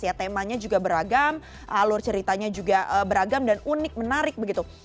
ya temanya juga beragam alur ceritanya juga beragam dan unik menarik begitu